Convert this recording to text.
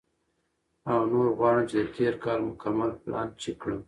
او نور غواړم چې د تېر کال مکمل پلان چیک کړم،